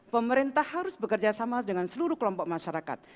pemerintah harus bekerja sama dengan seluruh kelompok masyarakat